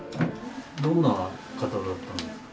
どんな方だったんですか？